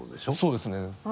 そうですね。